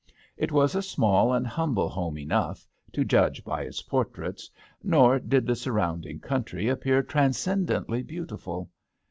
It was a small and humble home enough, to judge by its portraits, nor did the surrounding country appear transcendently beauti ful.